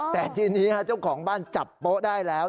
แต่ทีนี้เจ้าของบ้านจับโป๊ะได้แล้ว